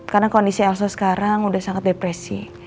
karena kondisi elsa sekarang udah sangat depresi